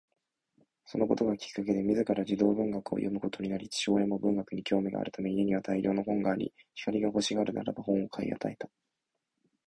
そのことがきっかけで自ら児童文学を読むようになり、父親も文学に興味があるため家には大量に本があり、光が欲しがるならば本を買い与えた